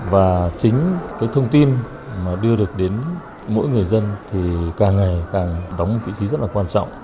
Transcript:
và chính thông tin đưa được đến mỗi người dân thì càng ngày càng đóng vị trí rất quan trọng